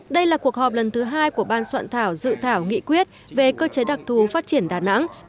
đây là cuộc họp lần thứ hai của ban soạn thảo dự thảo nghị quyết về cơ chế đặc thù phát triển đà nẵng